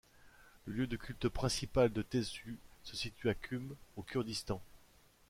Le lieu de culte principal de Teshub se situe à Kumme, au Kurdistan.